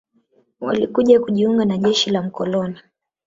Walikuja kujiunga na jeshi la mkoloni